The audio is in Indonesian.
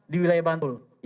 di wilayah bantul